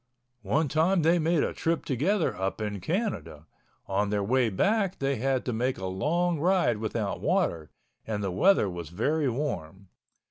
One time they made a trip together up in Canada. On their way back they had to make a long ride without water, and the weather was very warm.